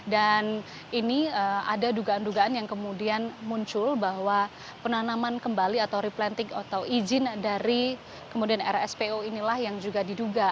dan ini ada dugaan dugaan yang kemudian muncul bahwa penanaman kembali atau replanting atau izin dari rspo inilah yang juga diduga